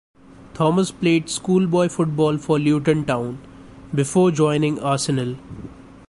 Thomas played schoolboy football for Luton Town, before joining Arsenal.